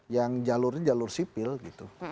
yang jalurnya jalur sipil gitu